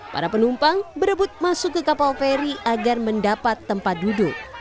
para penumpang berebut masuk ke kapal feri agar mendapat tempat duduk